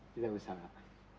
tidak usah pak